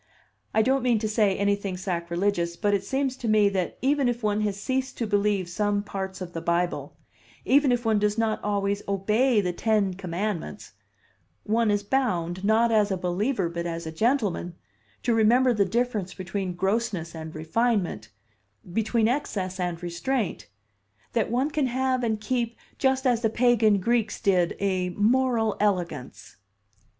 I don't mean to say anything sacrilegious, but it seems to me that even if one has ceased to believe some parts of the Bible, even if one does not always obey the Ten Commandments, one is bound, not as a believer but as a gentleman, to remember the difference between grossness and refinement, between excess and restraint that one can have and keep just as the pagan Greeks did, a moral elegance."